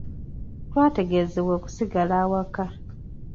Twategeezebwa okusigala awaka.